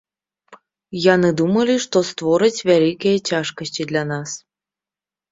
Яны думалі, што створаць вялікія цяжкасці для нас.